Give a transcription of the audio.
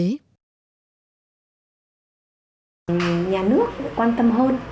nhà nước quan tâm hơn